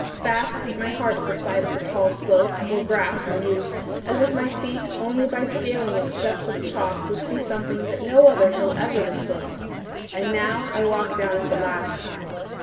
Fast beat My heart at the sight of the tall slope Or grass and yews, as if my feet Only by scaling its steps of chalk Would see something no other hill Ever disclosed. And now I walk Down it the last time.